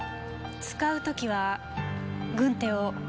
使う時は軍手を？